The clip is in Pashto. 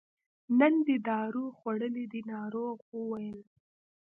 نن دې دارو خوړلي دي ناروغ وویل.